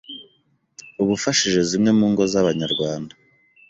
uba ufashije zimwe mu ngo z’Abanyarwanda